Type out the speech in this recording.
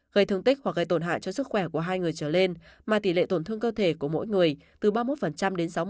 gây thương tích hoặc gây tổn hại cho sức khỏe của hai người trở lên mà tỷ lệ tổn thương cơ thể của mỗi người từ ba mươi một đến sáu mươi